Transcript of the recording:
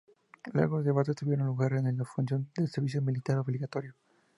Largos debates tuvieron lugar en la función de servicio militar obligatorio.